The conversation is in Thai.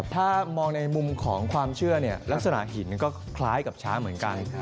ถ้ามองในมุมของความเชื่อลักษณะหินก็คล้ายกับช้างเหมือนกัน